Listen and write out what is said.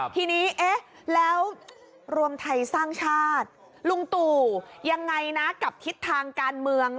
ทีนี้เอ๊ะแล้วรวมไทยสร้างชาติลุงตู่ยังไงนะกับทิศทางการเมือง